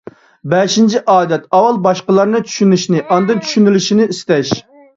بەشىنچى ئادەت، ئاۋۋال باشقىلارنى چۈشىنىشنى، ئاندىن چۈشىنىلىشنى ئىستەش.